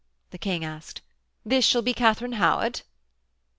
the King asked. 'This shall be Katharine Howard?'